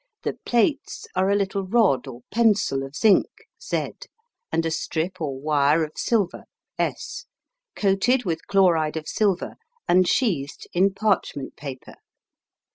The "plates" are a little rod or pencil of zinc Z, and a strip or wire of silver S, coated with chloride of silver and sheathed in parchment paper.